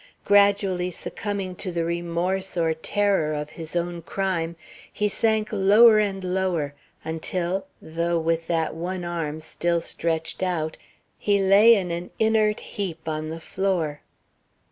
Gradually succumbing to the remorse or terror of his own crime, he sank lower and lower, until, though with that one arm still stretched out, he lay in an inert heap on the floor.